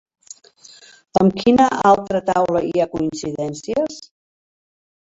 Amb quina altra taula hi ha coincidències?